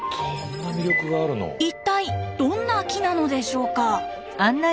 一体どんな木なのでしょうか？